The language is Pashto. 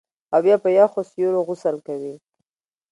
او بیا په یخو سیورو غسل کوي